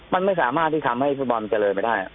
มันไม่สามารถที่ทำให้ฟุตบอลเจริญไปได้